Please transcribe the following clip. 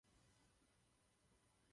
Rád bych řekl ještě pár slov závěrem.